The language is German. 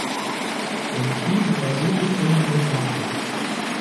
Der Betrieb war so nicht länger rentabel.